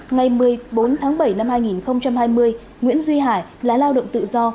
ngày một mươi bốn tháng bảy năm hai nghìn hai mươi nguyễn duy hải lái lao động tự do